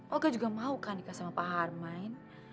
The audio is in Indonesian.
olga juga mahukan nikah sama pak harmaid